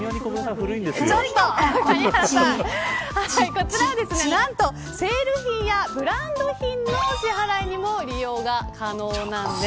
こちら、何とセール品やブランド品の支払いにも利用が可能なんです。